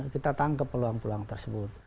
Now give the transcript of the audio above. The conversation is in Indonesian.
kita tangkap peluang peluang tersebut